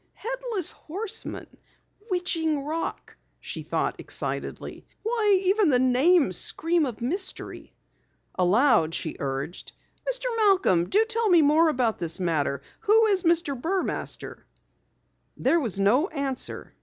"Headless Horseman Witching Rock!" she thought excitedly. "Why, even the names scream of mystery!" Aloud she urged: "Mr. Malcom, do tell me more about the matter. Who is Mr. Burmaster?" There was no answer.